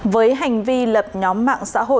với hành vi lập nhóm mạng xã hồ chí minh